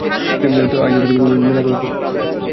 ভাই যদি কিছু মনে না করেন তো একটা কথা বলি?